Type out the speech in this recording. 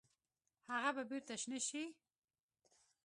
هغه به بیرته شنه شي؟